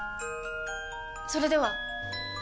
それでは！